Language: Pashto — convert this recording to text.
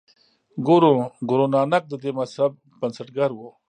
ګورو نانک د دې مذهب بنسټګر و.